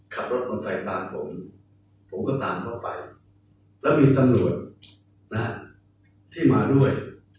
ขับรถมอเตอร์ไซค์ตามผมผมก็ตามเขาไปแล้วมีตำรวจนะที่มาด้วย